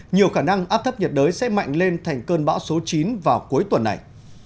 nhiều khả năng áp thấp nhiệt đới sẽ mạnh lên thành cơn bão số chín vào cuối tuần này